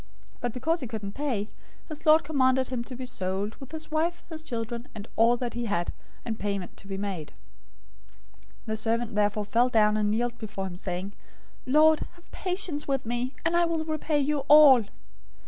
} 018:025 But because he couldn't pay, his lord commanded him to be sold, with his wife, his children, and all that he had, and payment to be made. 018:026 The servant therefore fell down and kneeled before him, saying, 'Lord, have patience with me, and I will repay you all!'